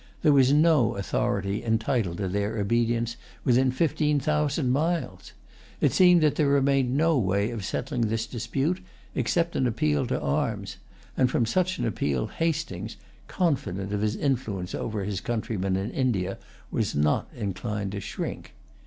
There was no authority entitled to their obedience within fifteen thousand miles. It seemed that there remained no way of settling the dispute except an appeal to arms; and from such an appeal Hastings, confident of his influence over his countrymen in India, was not inclined to shrink.